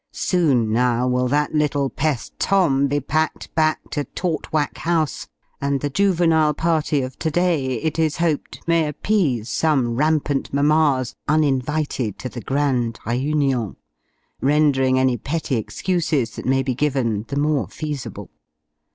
Soon, now, will that little pest, Tom, be packed back to "Tortwhack House;" and the juvenile party, of to day, it is hoped may appease some rampant mammas uninvited to the grand réunion rendering any petty excuses that may be given the more feasible.